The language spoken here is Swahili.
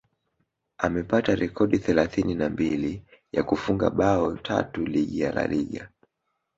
amepata rekodi thelathini na mbili ya kufunga bao tatu ligi ya La Liga